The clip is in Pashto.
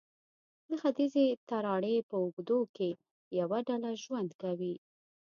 د ختیځې تراړې په اوږدو کې یوه ډله ژوند کوي.